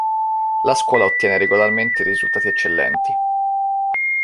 La scuola ottiene regolarmente risultati eccellenti.